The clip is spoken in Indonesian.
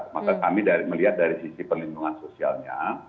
maka kami melihat dari sisi perlindungan sosialnya